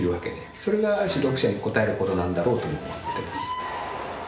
それが読者に応えることなんだろうと思ってます。